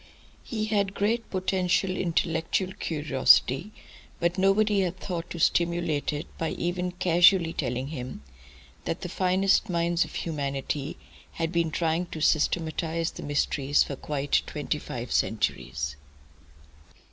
He had great potential intellectual curiosity, but nobody had thought to stimulate it by even casually telling him that the finest minds of humanity had been trying to systematise the mysteries for quite twenty five centuries.